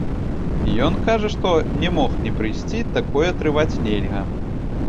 Ён кажа, што не мог не прыйсці, такое трываць нельга.